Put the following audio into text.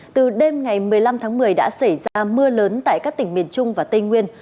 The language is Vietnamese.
từ đêm ngày một mươi năm tháng một mươi đã xảy ra mưa lớn tại các tỉnh miền trung và tây nguyên